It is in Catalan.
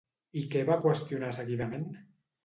I què va qüestionar seguidament?